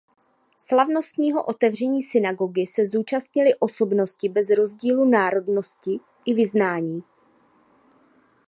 Slavnostního otevření synagogy se zúčastnily osobnosti bez rozdílu národnosti i vyznání.